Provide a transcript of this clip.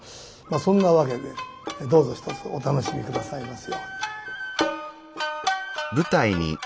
そんなわけでどうぞひとつお楽しみ下さいますように。